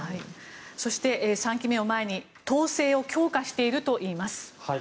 そして、３期目を前に統制を強化しているといいます。